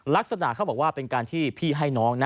ลักษณะเขาบอกว่าเป็นการที่พี่ให้น้องนะ